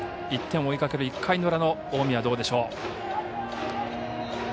１点を追いかける１回の裏の近江はどうでしょう。